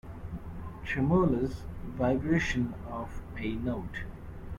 Tremulous vibration of a note.